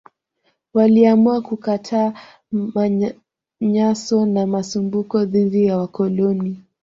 Waliamua kukataa manyanyaso na masumbuko dhidi ya wakoloni